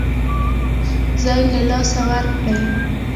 ځای له لاسه ورکړي.